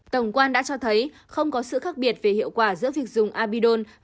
tổng quan đã cho thấy không có sự khác biệt về hiệu quả giữa việc dùng abidone